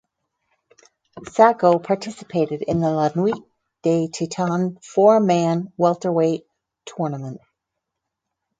Sacko participated in the La Nuit des Titans four man welterweight tournament.